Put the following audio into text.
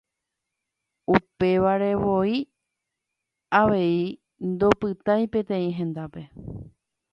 Upevarevoi avei ndopytái peteĩ hendápe.